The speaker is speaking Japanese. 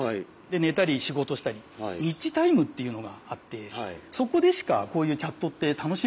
寝たり仕事したりニッチタイムっていうのがあってそこでしかこういうチャットって楽しめない。